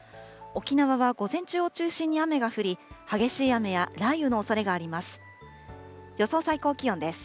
沖縄は午前中を中心に雨が降り、激しい雨や雷雨のおそれがあります。